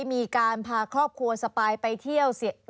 มีการพาครอบครัวสปายไปเที่ยว